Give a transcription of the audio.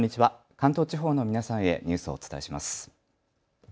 関東地方の皆さんへニュースをお伝えします。